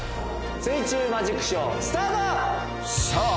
水中マジックショースタートさあ